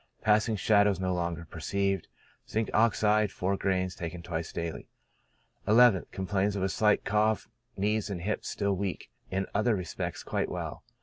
Passing shadows no longer per ceived. Zinc. Ox., gr.iv, bis die. nth. — Complains of a slight cough, knees and hips still weak, in other respects quite well.